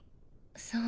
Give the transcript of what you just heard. そう。